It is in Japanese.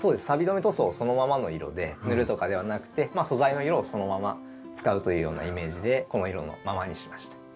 さび止め塗装そのままの色で塗るとかではなくて素材の色をそのまま使うというようなイメージでこの色のままにしました。